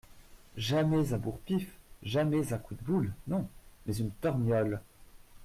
Jamais un bourre-pif, jamais un coup de boule, non, mais une torgnole